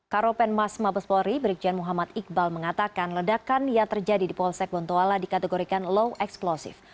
karopen mas mabes polri brigjen muhammad iqbal mengatakan ledakan yang terjadi di polsek bontoala dikategorikan low explosive